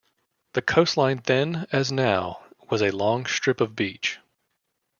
The coastline then, as now, was a long strip of beach.